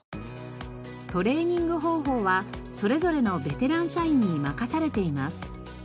トレーニング方法はそれぞれのベテラン社員に任されています。